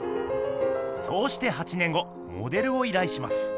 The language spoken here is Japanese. そうして８年後モデルをいらいします。